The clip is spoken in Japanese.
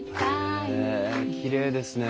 へえきれいですね。